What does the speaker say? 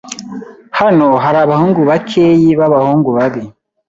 Hano hari abahungu bakeyi b'abahungu babi.